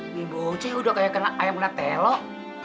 ini buce udah kayak kena ayam kena telok